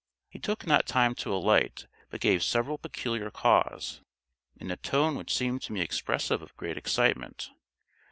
He took not time to alight, but gave several peculiar caws, in a tone which seemed to me expressive of great excitement.